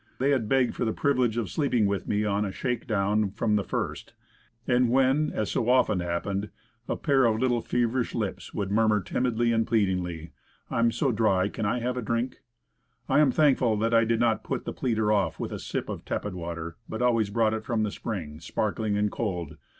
They had begged for the privilege of sleeping with n8 Woodcraft. me on a shake down from the first; and when, as often happened, a pair of little feverish lips would murmur timidly and pleadingly, "I'm so dry; can I have er drink?" I am thankful that I did not put the pleader off with a sip of tepid water, but always brought it from the spring, sparkling and cold.